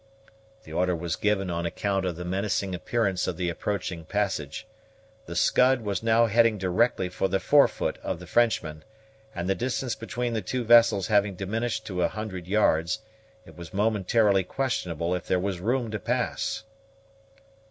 The order was given on account of the menacing appearance of the approaching passage. The Scud was now heading directly for the fore foot of the Frenchman; and, the distance between the two vessels having diminished to a hundred yards, it was momentarily questionable if there was room to pass.